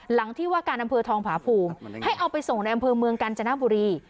หลังที่ว่าการอำเภอทองผาภูมิให้เอาไปส่งในอำเภอเมืองกาญจนบุรี